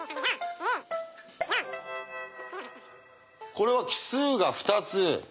これは奇数が２つ。